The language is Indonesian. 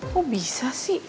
kok bisa sih